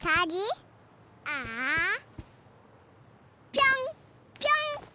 ぴょんぴょん。